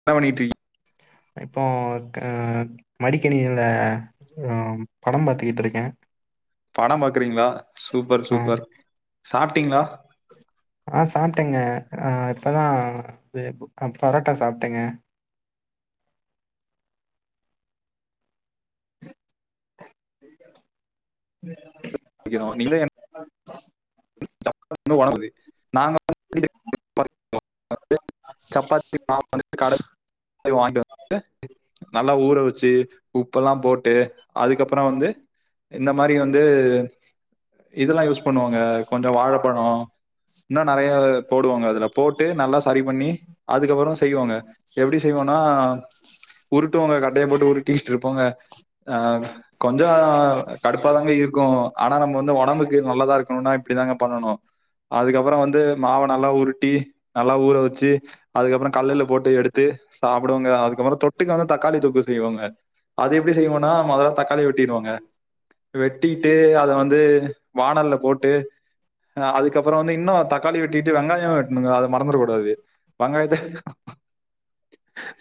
என்னா பண்ணிகிட்ரிகி இப்போ க மடிக்கணினில அ ம் படம் பாத்துக்கிட்ருக்கே. படம் பாக்குறிங்ளா சூப்பர் அ சூப்பர் சாப்ட்டிங்ளா? ஆ சாப்ட்டேங்க அ இப்பதா து ப் அ பரோட்டா சாப்ட்டேங்க. உம் [inaudible] டிக்கனு நீங்ளே என் [inaudible] ஒணவுது நாங்க [inaudible] சப்பாத்தி மாவு வந்துட்டு கடைல் [inaudible] வாய்ட்டு [inaudible] நல்லா ஊற வெச்சி உப்பெல்லாம் போட்டு அதுக்கப்புறோ வந்து இந்த மாரி வந்து இதெல்லா யூஸ் பண்ணுவாங்க கொஞ்சோ வாழைப்பழோ இன்னு நறைய அதல போடுவாங்க அதுல போட்டு நல்லா சரி பண்ணி அதுக்கப்புறோ செய்வாங்க. எப்டி செய்வோனா உருட்டுவாங்க கட்டைய போட்டு உருட்டிட்டு இருப்போங்க அ க் கொஞ்சோ கடுப்பாதாங்க இருக்கு ஆனா நம்ம வந்து ஒடம்புக்கு நல்லதா இருக்குணுன்னா இப்பிடி தாங்க பண்ணனு அதுக்கப்புறோ வந்து மாவ நல்லா உருட்டி நல்லா ஊற வெச்சி அதுக்கப்புறோ கல்லுல போட்டு எடுத்து சாப்டுவங்க. அதுக்கப்புறோ தொட்டுக்க வந்து தக்காளி தொக்கு செய்வோங்க. அது எப்டி செய்வோனா மொதல தக்காளி வெ ட்டிருவோங்க வெட்டிட்டு அத வந்து வானல்ல போட்டு அ அதுக்கப்புறோ வந்து இன்னு தக்காளி வெட்டிட்டு வெங்காயோ வெட்ணுங்க அத மறந்துட கூடாது. வங்காயத்த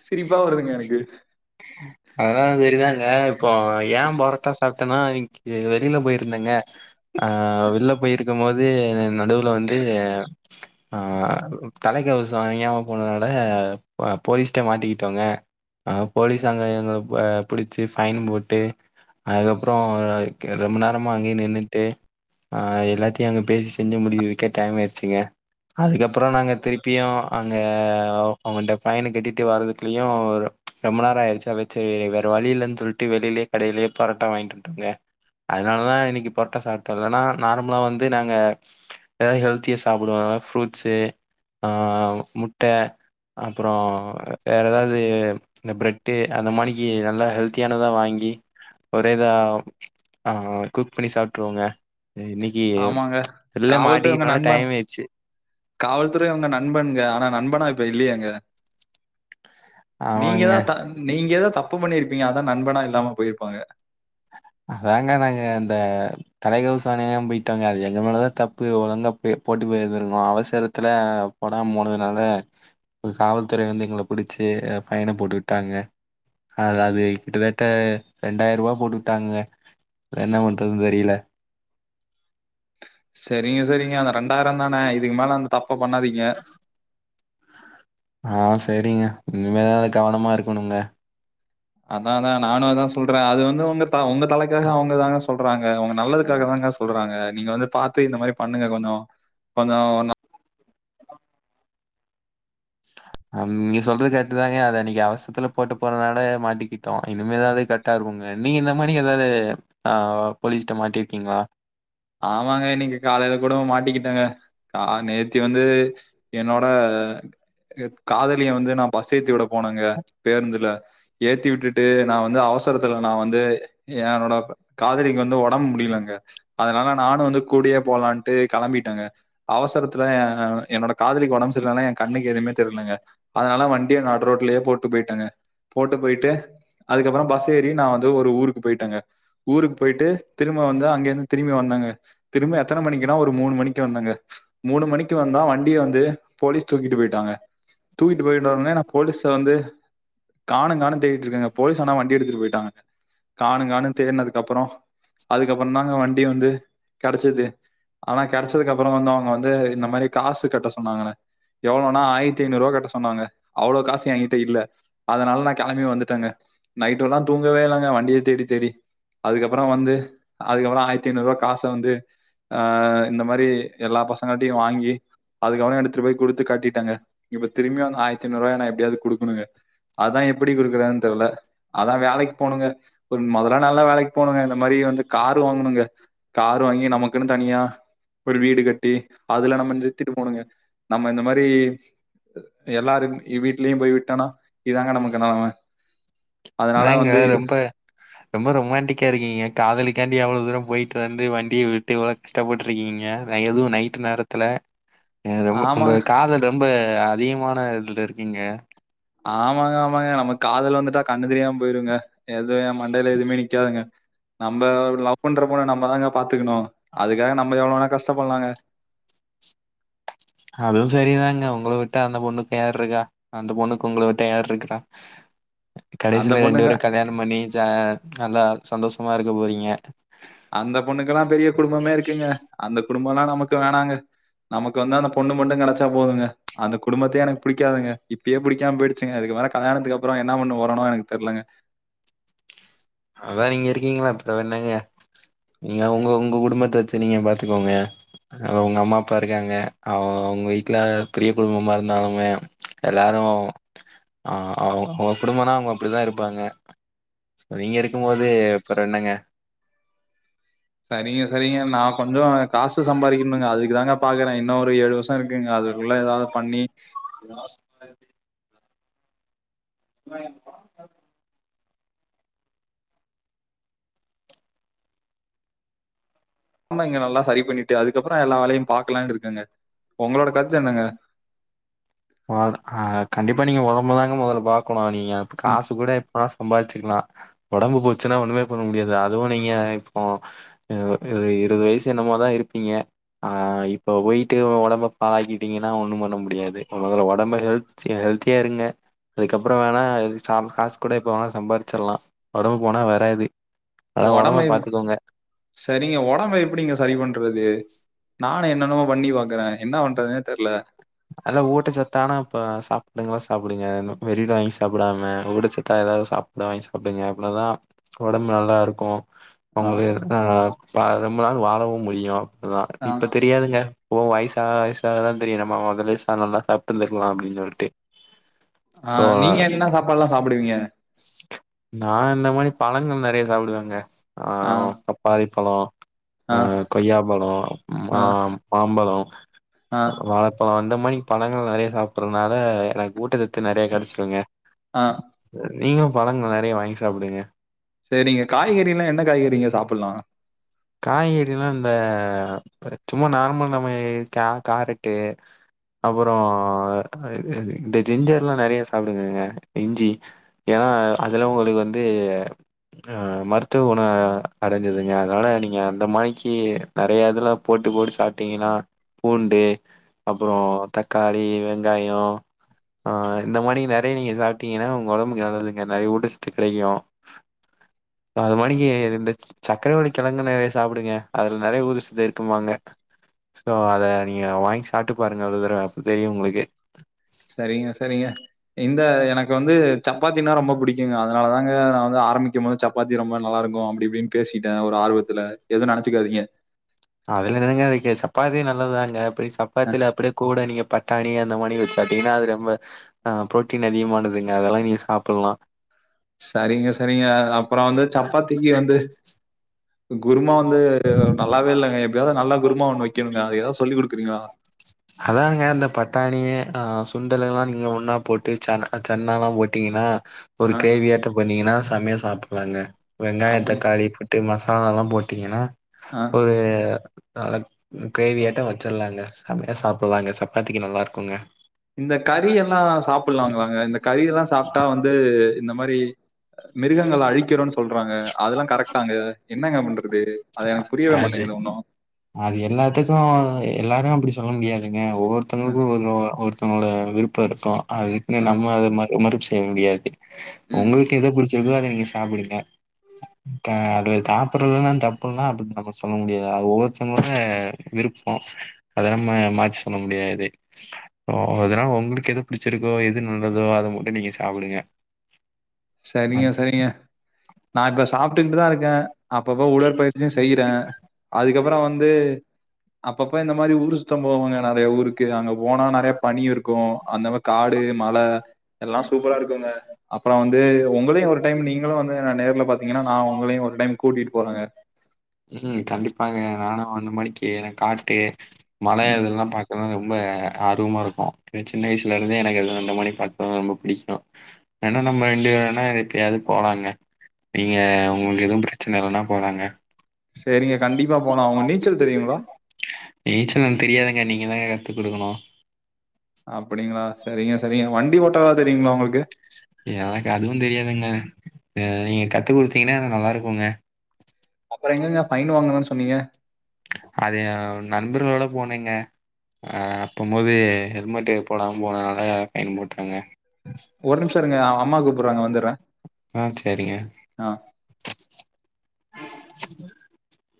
சிரிப்பா வருதுங்க எனக்கு. அதல்லா செரிதாங்க இப்போ ஏ பொரட்டா சாப்ட்டனா இன்க்கு வெளில போயிருந்தங்க. அ வெள்ல போயிருக்கம் போது நடுவுல வந்து ஆ தலைக்கவசோ அணியாம போனதுனால ப் அ போலீஸ்ட்ட மாட்டிக்கிட்டோங்க. ஆ போலீஸ் அங்க எங்கள ப புடிச்சு ஃபைன் போட்டு அதுக்கப்புறோ க் ரொம்ப நேரமா அங்யே நின்னுக்ட்டு அ எல்லாத்தியு அங்க பேசி செஞ்சு முடிக்றதுக்கே டைம் ஆயிர்ச்சிங்க. அதுக்கப்புறோ நாங்க திருப்பியு அங்க அவுங்கள்ட ஃபைன கட்டிட்டு வர்துக்குலியு ஒரு ரொம்ப நேரோ ஆய்ருச்சா வெ சேர் வேற வழி இல்லன் சொல்ட்டு வெளிலியே கடைலியே பரோட்டா வாய்ங்ட்டு வந்டோங்க. அதனாலதா இன்னிக்கு பரொட்டா சாப்ட்டோ இல்லனா நார்மலா வந்து நாங்க ஏதாவது ஹெல்த்தியா சாப்புடுவே ஆன ஃப்ரூட்ஸ்சு ஆ முட்ட அப்புறோ வேற எதாவது இந்த பிரெட்டு அந்த மானிக்கு நல்லா ஹெல்த்தியான தா வாங்கி ஒரே தா ஆ குக் பண்ணி சாப்ட்டுருவோங்க இன்னைக்கி ஆமாங்க. வெள்ள காவல்துறை உங்க மாட்டிக்கிட்டோனா நண்பன். டைம் ஆச்சு காவல்துறை ஒங்க நண்பங்க ஆனா நண்பனா இப்ப இல்லையேங்க நீங்க ஆமாங்க தா த நீங்க ஏதா தப்பு பண்ணிருப்பீங்க அதா நண்பனா இல்லாம போயிருப்பாங்க அதாங்க நாங்க இந்த தலைகவசோ அணியாம போயிட்டோங்க அது எங்க மேலதா தப்பு ஒழுங்கா போ போட்டு போயிருந்திருக்கோனு அவேசரத்துல போடாம போனதுனால காவல்துறை வந்து எங்கள புடுச்சு பைய்ண போட்டுட்டாங்க அதாது கிட்டத்தட்ட ரெண்டாயிர ரூபா போட்டு விட்டாங்க என்ன பண்றதுன்னு தெரியேல செரிங்க செரிங்க அந்த ரெண்டாயிர தானே இதுக்கு மேல அந்த தப்ப பண்ணாதீங்க ஆ செரிங்க இனிமேதா கவனமா இருக்கணுங்க அதா அதா நானு அதா சொல்றே அது வந்து உங்க ஒங்க தலைக்காக அவுங்க தாங்க சொல்றாங்க உங்க நல்லதுக்காக தாங்க சொல்றாங்க நீங்க வந்து பாத்து இந்த மாரி பண்ணுங்க கொஞ்சோ கொஞ்சோ நீங்க சொல்றது கரெக்டு தாங்க அத அன்னைக்கு அவசத்துல போட்டு போறதுனால மாட்டிக்கிட்டோ இனிமேதா அதாது க டருவுங்க நீங்க இந்த மாரி ஏதாவது ஆ போலீஸ்ட்ட மாட்டி இருக்கீங்களா ஆமாங்க இன்னகி காலையில கூட மாட்டிக்கிட்டேங்க ஆ நேத்தி வந்து என்னோட காதலிய வந்து நா பஸ் ஏத்தி விட போனேங்க பேருந்துல ஏத்தி விட்டுட்டு நா வந் து அவசோரத்துல நா வந்து என்னோட காதலிக்கு வந்து ஒடம்பு முடியலெங்க அதனால நானு வந்து கூடயே போலான்ட்டு கெளம்பிட்டேங்க அவசரத்துல எ என்னோட காதலிக்கு ஒடம்பு செரியல்லைனனோ என் கண்ணுக்கு எதுவுமே தெர்லங்க அதனால வண்டிய நடு ரோட்லயே போட்டு போயிட்டேங்க போட்டு போயிட்டு அதுக்கப்புறோ பஸ் ஏரி நா வந்து ஒரு ஊருக்கு போயிட்டேங்க ஊருக்கு போயிட்டு திரும்ப வந்து அங்கேந்து திரும்பி வந்தெங்க திரும்பி எத்தன மணிக்கக்குனா ஒரு மூணு மணிக்கு வந்தெங்க மூணு மணிக்கு வந்தா வண்டிய வந்து போலீஸ் தூக்கிட்டு போயிட்டாங்க தூக்கிட்டு போயிட்டோனே வே நா போலீஸ்ல வந்து காணோங் காணோங் தேடிட்டு இருக்கெங்க போலீஸ் ஆனா வண்டி எடுத்துட்டு போயிட்டாங்கனு காணோங் காணோங் தேடினதுக்கு அப்றோ அதுக்கப்றோ தாங்க வண்டி வந்து கெடச்சது ஆனா கெடச்சதுக்கு அப்புறோ வந்து அவுங்க வந்து இந்த மாரி காசு கட்ட சொன்னாங்கென்ன எவ்வளோனா ஆயிரத்தி ஐநூறு ரூபா கட்ட சொன்னாங்க அவ்ளோ காசு ஏன்க்கிட்ட இல்ல அதனால நா கெளம்பி வந்துடேங்க நைட் எல்லா தூங்கவே இல்லங்க வண்டியே தேடி தேடி அதுக்கப்புறோ வந்து அதுக்கப்புறோ ஆயிரத்தி ஐநூறு ரூபா காச வந்து அ இந்த மாரி எல்லா பசங்கள்ட்டையு வாங்கி அதுக்கவனே எடுத்து போய் குடுத்து காட்டிட்டேங்க இப்ப திரும்பியு ஆயிரத்து ஐநூ ரூபாய எப்படியாவது குடுக்கணுங்க அதா எப்டி குடுக்குறாங்கன்னு தெர்ல அதா வேலைக்கு போணுங்க ஒரு மொதெல்ல நல்லா வேலைக்கு போணுங்க இந்த மாரி வந்து காரு வாங்கணுங்க காரு வாங்கி நமக்குன்னு தனியா ஒரு வீடு கட்டி அதுல நம்ம நிறுத்திட்டு போணுங்க நம்ம இந்த மாரி எல்லாரு வீட்லயு போய் விட்டோனா இதாங்க நமக்கு நிலம அதனால என்னங்க வந்து இ ரொம்ப ரொம்ப ரொமண்டிக்கா இருக்கிங்க காதலிக்காண்டி எவ்ளோ தூரோ போயிட்டு வந்து வண்டிய விட்டு உ கஷ்டப்பட்டு இருக்கீங்க எதுவு நைட்டு நேரத்துல ஏ ரொம்ப ஒங்க ஆமாங்க, காதல் ரொம்ப அதிகமான இதுல இருக்கீங்க ஆமாங்க ஆமாங்க நம்ம காதலு வந்துட்டா கண்ணு தெரியுமா போயிருங்க எதுவு என் மண்டயில எதுவுமே நிக்காதுங்க நம்ம லவ் பண்ற பொன்ன நம்மதாங்க பாத்துக்கணு அதுக்காக நம்ம எவ்ளோ வேணா கஷ்ட பட்லாங்க அதுவு செரிதாங்க உங்கள விட்ட அந்த பொண்ணுக்கு யாருக்கா அந்த பொண்ணுக்கு உங்கள விட்டா யார் இருக்கா அந்த கடைசில ரெண்டு பொண்ணுங்க பேரு கல்யாணம் பண்ணி ஜா நல்லா சந்தோஷமா இருக்க போறீங்க அந்த பொண்ணுக்குலா பெரிய குடும்பமே இருக்குங்க அந்த குடும்பல்லா நமக்கு வேணாங்க நமக்கு வந்து அந்த பொண்ணு மட்டு கெடைச்சா போதுங்க அந்த குடும்பத்தையே எனக்கு புடிக்காதுங்க இப்பயே புடிக்காம போயிடுச்சுங்க அதுக்கு மேல கல்யாணத்துக்கப்றோ என்ன பண்ண போறேனோ எனக்கு தெர்லங்க அதா நீங்க இருக்கீங்கல அப்றோ என்னங்க நீங்க உங்க உங்க குடும்பத்த வச்சு நீங்க பாத்துக்கோங்க அ உங்க அம்மாப்பா இருக்காங்க அவ்ங்க வீட்ல பெரிய குடும்பமா இருந்தாலுமே எல்லாரு ஆ அவ் அவ்ங்க குடும்பனா அவுங்க அப்டிதா இருப்பாங்க நீங்க இருக்கும்போது அப்றோ என்னங்க சரிங்க சரிங்க நா கொஞ்சோ காசு சம்பாரிக்கணுங்க அதுக்கு தாங்க பாக்குறே இன்னு ஒரு ஏழு வருஷோ இருக்குங்க அதுக்குள்ள ஏதாவ் பண்ணி [inaudible] [inaudible] ஃபுல்லா இங்க நல்லா சரி பண்ணிட்டு அதுக்கப்றோ எல்லா வேலையு பாக்கலான்ட்ருக்கேங்க உங்களோட கருத்து என்னங்க ஆ ஆ கண்டிப்பாக நீங்க ஒடம்பு தாங்க மொதல்ல பாக்கணு நீங்க ம். காசு கூட எப்பாஸ் சம்பாரிச்சுக்கலா ஒடம்பு போச்சுன்னா ஒன்னுமே பண்ண முடியாது அதுவு நீங்க இப்போ இ இ இருபது வயசு என்னமோதா இருக்கீங்க ஆ இப்ப போயிட்டு ஒடம்ப பாழாக்கிட்டீங்கன்னா ஒன்னூ பண்ண முடியாது மொதல ஒடம்ப ஹெல்த் ஹெல்த்தியா இருங்க அதுக்கப்றோ வேணா சா காஸ் கூட போனா சம்பாரிச்சிர்லா ஒடம்பு போனா வராது அதனால ஒடம்ப எப் பாத்துக்கோங்க சரிங்க ஒடம்ப எப்டிங்க சரி பண்றது நா என்னென்னவோ பண்ணி பாக்குறே என்ன பண்றதுனே தெர்ல நல்ல ஊட்டச்சத்தானா ப சாப்டுங்களா சாப்டுங்க வெளியில வாங்கி சாப்டாம ஊட்டச்சத்தா ஏதா சாப் ல்லா வாங்கி சாப்டுங்க அவ்ளதா ஒடம்பு நல்லாருக்கூ உங்களையு ஆ பா ரொம்ப நாள் வாழவு முடியு அப்பதா ஆ, இப்பத் தெரியாதுங்க ஓ வயிசாவ வயிசாவதா தெரியு நம்ம வெளி சானோனா சாப்த்துங்குலா அப்டின் சொல்ட்டு ஆ. சோ நீங்க என்ன சாப்பாடுலாம் சாப்பிடுவீங்க? நா இந்த மாரி பழங்கள் நறைய சாப்டுவேங்க ஆ பப் பாளி பழோ ஆ கொய்யா பழோ ஆ மாம்பழோ ஆ, வாழைப்பழோ இந்த மாரி பழங்கள் நறைய சாப்புட்றனால எனக்கு ஊட்டசத் த்து நறைய கெடைச்சிடுங்க ஆ. நீங்களு பழங்கள் நறைய வாங்கி சாப்டுங்க செரிங்க காய்கற னா என்ன காய்கறிங்க சாப்புல்லா காய்கறிலா இந்த சும்மா நார்மல் நம்ம கா காரட்டு அப்பறோ இந்த ஜிஞ்சர்லா நறைய சாப்டுங்கங்க இஞ்சி ஏனா அதுல உங்களுக்கு வந்து ஆ மருத்துவ குண அடைஞ்சதுங்க அதனால நீ ங்க அந்த மாரிக்கு நறைய இதுலா போட்டு போட்டு சாப்ட்டீங்கன்னா பூண்டு அப்றோ தக்காளி வெங்காயோ ஆ இந்த மாரி நறைய நீங்க சாப்ட்டீங்கன்னா உங்க ஒடம்புக்கு நல்லதுங்க நறைய ஊட்டச்சத்து கெடைக்கூ அது மாரிக்கு இந்த சக்ரவள்ளிக்கெழங்குல சாப்டுங்க அதுல நறைய ஊடுசுது இருக்குமாங்க சோ அத நீங்க வாங்கி சாப்ட்டு பாருங்க ஒரு தரவ தெரியூ உங்களுக்கு செரிங்க செரிங்க இந்த எனக்கு வந்து சப்பாத்தினா ரொம்ப புடிக் ஏங்க அதனால தாங்க நா வந்து ஆரம்பிக்கும் போது சப்பாத்தி ரொம்ப நல்லா இருக்கூ அப்டி இப்டின் பேசிட்டே ஒரு ஆர்வத்துல எது நெனைச்சிக்காதீங்க அதுல என்னங்க இருக்கு சப்பாத்தி நல்லதாங்க அப்டி அ சப்பாத்தில அப்டியே கூட நீங்க பட்டாணி அந்த மாரி வச்சு சாப்ட்டீங்கன்னா அது ரொம்ப அ புரோட்டீன் அதிகமானதுங்க அதெல்லா நீங்க சாப்புல்லா சரிங்க சரிங்க அப்றோ வந்து சப்பாத்திக்கு வந்து குருமா வந்து நல்லாவே இல்லங்க எப்டியாவது நல்லா குருமா ஒண்ணு வெக்கணும்ங்க அது ஏதாது சொல்லி் குடுக்குறீங்களா அதாங்க இந்த பட்டாணி ஆ சுண்டல் எல்லா நீங்க ஒண்ணா போட்டு ச சென்னா எல்லா போ டீன்னா ஒரு ஆ கிரேவியாட்ட பண்ணீங்கன்னா செமைய சாப்பிடலாங்க வெங்காய அப்படி தக்காளி போட்டு மசாலா எல்லா போட்டீங்கன்னா அ ஒரு அதக் கிரேவியாட்ட வச்சிடலாங்க செமையா சாப்பிடலாங்க சப்பாத்திக்கு நல்லா இருக்குங்க இந்த கறி எல்லா சாப்பிடலாங்களாங்க இந்த கறி எல்லா சாப்ட்டா வந்து இந்த மாரி மிருகங்கள அழிக்கிறோன்னு சொல்றாங்க அதெல்லா கரெக்டாங்க என்னங்க பண்றது அத எனக்கு புரியவே அது மாட்டேங்குது ஒண்ணு அது எல்லாத்துக்கு எல்லாரு அப்டி சொல்ல முடியாதுங்க ஒவ்வொருத்தவங்களுக்கு ஒரு த்தவங்களோட விருப்ப இருக்கு அதுக்குன்னே நம்ம அத ம மறுப்பு செய்ய முடியாது ம் உங்களுக் கு எது புடிச்சிருக்கோ அத நீங்க சாப்புடுங்க க அதுல சா சாப்புடறதுலா தப்புனா அப்டி நம்ம சொல்ல முடியாது அது ஒவ்வொருத்தகளோட விருப்போ அத நம்ம மாத்தி சொல்ல முடியாது ஓ அதனால உங்களுக்கு எது பிடிச்சிருக்கோ எது நல்லதோ அத மட்டு நீங்க சாப்டுங்க சரிங்க சரிங்க நா இப்ப சாப்பிட்டுகிட்டு தா இருக்கே அப்பப்ப உடற்பயிற்சியு செய்யறே அதுக்கப்புறோ வந்து அப்பப்ப இந்த மாரி ஊர் சுத்தம் போவங்க நெறைய ஊருக்கு அங்க போனா நெறைய பனி இருக்கு அந்த மா காடு மழ எல்லா சூப்பரா இருக்குங்க அப்பற வந் து உங்களையு ஒரு டைம் நீங்களு வந்து ந நேரல பாத்தீங்கன்னா நா உங்களையு ஒரு டைம் கூட்டிட்டு போறங்க ம் கண்டிப்பாங்க நானு அந்த மாணிக்கு எனக்கு காட்டு மழ ம் இதெல்லா பாக்கனுன்னு ரொம்ப ஆர்வமா இருப்போ எ சின்ன வயசுல இருந்தே எனக்கு அது அந்த மாரி பாக்கனா ரொம்ப புடிக்கு ஏன்னா நம்ம [unintelligible] இருக்கு அது போலாங்க நீங்க உங்களுக்கு எதுவு பிரச்சனை இல்லன்னா போலாங்க சேரிங்க கண்டிப்பா போலா உங்க நீச்சல் தெரியுங்களா நீச்சல் எனக்கு தெரியாதுங்க நீங்க தாங்க கத்து குடுக்கணு அப்டிங்களா சரிங்க சரிங்க வண்டி ஓட்டவாது தெரியுங்களா உங்களுக்கு எனக்கு அதுவு தெரியாதுங்க அ நீங்க கத்து குடுத்தீங்கன்னா நல்லா இருக்குங்க அப்புற எங்கங்க பைன் வாங்கனதா சொன்னீங்க அது நண்பர்களோட போனேங்க ஆ போம் போது ஹெல்மெட் போடாம போனனால பைன் போட்டாங்க ஒரு நிமிஷ இருங்க அம்மா கூப்பறாங்க வந்துறே ஆ சரிங்க. ஆ